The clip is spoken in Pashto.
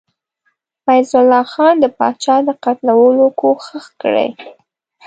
فیض الله خان د پاچا د قتلولو کوښښ کړی.